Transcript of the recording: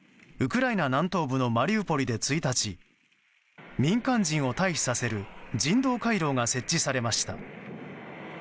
ウクライナ南東部のマリウポリで１日民間人を退避させる人道回廊が設置されました。